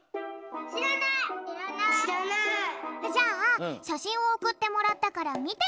じゃあしゃしんをおくってもらったからみてみよう。